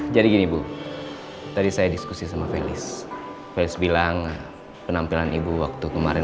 jadi ibu tadi saya diskusi sama felis felis bilang penampilan ibu waktu kemarin